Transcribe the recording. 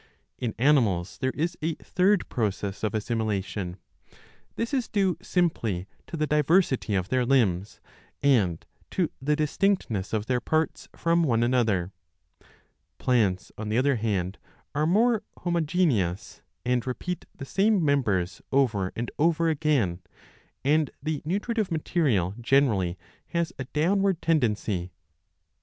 In animals there is a third process of assimilation ; this is due simply to the diversity of their limbs and to the distinctness of their parts from one another. Plants, on the other hand, are more homogeneous and 15 repeat the same members over and over again, and the nutritive material generally has a downward tendency.